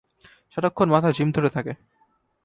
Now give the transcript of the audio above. সারাক্ষণ মাথা ঝিম ধরে থাকে।